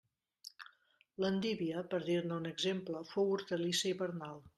L'endívia, per dir-ne un exemple, fou hortalissa hivernal.